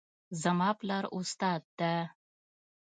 زما پلار استاد ده